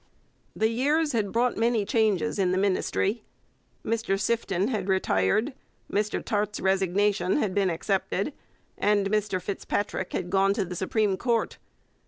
The years had brought many changes in the Ministry. Mr Sifton had retired, Mr Tarte's resignation had been accepted, and Mr Fitzpatrick had gone to the Supreme Court.